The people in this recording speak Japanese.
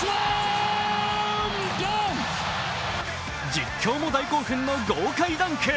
実況も大興奮の豪快ダンク。